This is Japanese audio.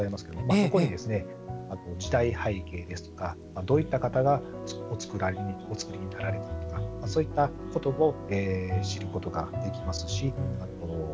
そこに時代背景ですとかどういった方がおつくりになられたとかそういったことを知ることができます。